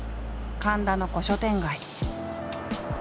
神田の古書店街。